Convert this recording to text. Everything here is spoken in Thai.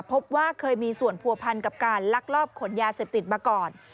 พบว่าเคยมีส่วนผัวพันกับการลักลอบขนยาเสพติดมาก่อน